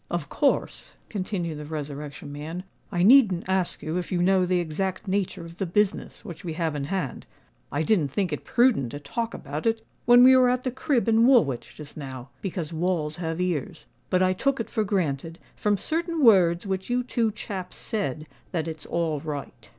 "Of course," continued the Resurrection Man, "I needn't ask you if you know the exact nature of the business which we have in hand. I didn't think it prudent to talk about it when we were at the crib in Woolwich just now, because walls have ears; but I took it for granted, from certain words which you two chaps said, that it's all right."